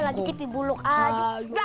lagi tipi buluk aja